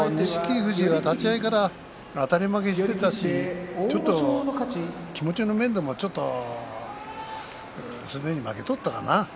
富士が立ち合いからあたり負けしていたしちょっと気持ちの面でもすでに負けとったかな。